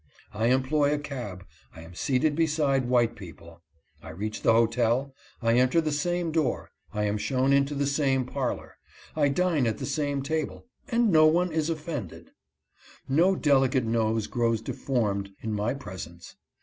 I employ a cab — I am seated beside white people — I reach the hotel — I enter the same door — I am shown into the same parlor — I dine at the same table — and no one is offended. No delicate nose grows deformed in my presence.